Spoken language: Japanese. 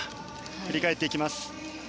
振り返っていきます。